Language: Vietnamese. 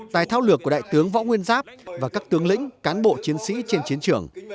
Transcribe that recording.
tài thao lược của đại tướng võ nguyên giáp và các tướng lĩnh cán bộ chiến sĩ trên chiến trường